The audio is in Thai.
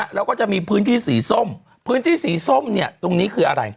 แล้วก็จะมีพื้นที่สีส้มพื้นที่สีส้มเนี่ยตรงนี้คืออะไร